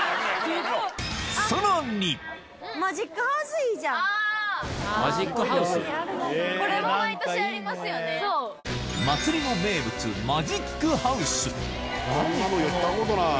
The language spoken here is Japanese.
さらに祭りの名物やったことない。